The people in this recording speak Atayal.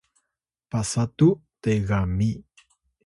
pasatu tegami